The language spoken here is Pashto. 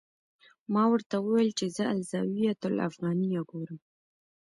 ما ورته وویل چې زه الزاویة الافغانیه ګورم.